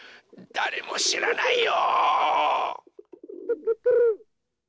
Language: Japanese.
だれもしらないよ。